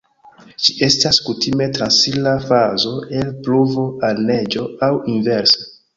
Ĝi estas kutime transira fazo el pluvo al neĝo aŭ inverse.